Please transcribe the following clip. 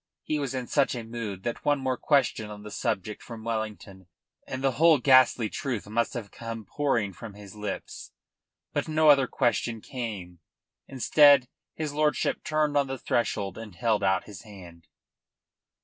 He was in such a mood that one more question on the subject from Wellington and the whole ghastly truth must have come pouring from his lips. But no other question came. Instead his lordship turned on the threshold and held out his hand.